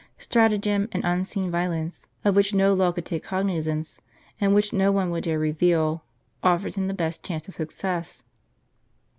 Stratagem and unseen violence, of which no law could take cognizance, and which no one would dare reveal, offered him the best chance of success.